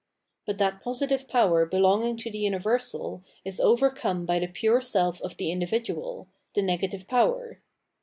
But that positive power belonging to the xmiversal is overcome by the pure self of the individual, the negative power.